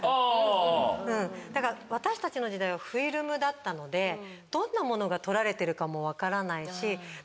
私たちの時代はフィルムだったのでどんなものが撮られてるかも分からないし。